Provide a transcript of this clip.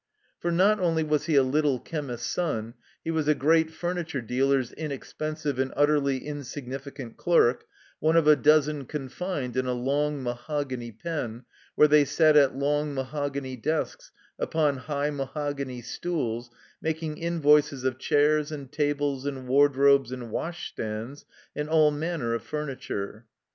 For, not only was he a little chemist's son, he was a great furniture dealer's inexpensive and utterly insignificant clerk, one of a dozen confined in a long mahogany pen where they sat at long mahogany desks, upon high mahogany stools, making invoices of chairs and tables and wardrobes and washstands and all man ner of furniture.